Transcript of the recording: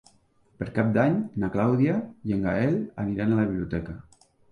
Per Cap d'Any na Clàudia i en Gaël aniran a la biblioteca.